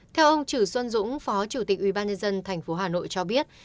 theo ông chử xuân dũng phó chủ tịch ubnd tp hà nội cho biết